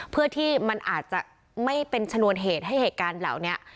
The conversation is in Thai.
เพื่อที่มันอาจจะไม่เป็นชนวนเหตุให้เหตุการณ์เหล่านี้